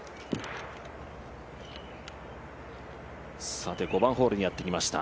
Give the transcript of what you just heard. さて５番ホールにやってきました。